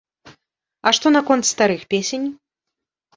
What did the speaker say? А што наконт старых песень?